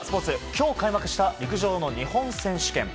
今日開幕した陸上の日本選手権。